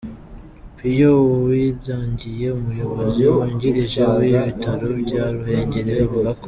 Pio Uwiragiye umuyobozi wungirije w’ibitaro bya Ruhengeri avuga ko